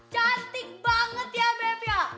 cantik banget ya bep ya